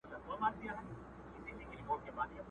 اوس د رقیبانو پېغورونو ته به څه وایو!.